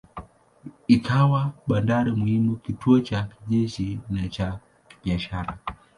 Ikawa bandari muhimu, kituo cha kijeshi na cha kibiashara.